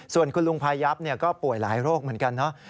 ส่วนคุณลุงพายับก็ป่วยหลายโรคเหมือนกันเนอะ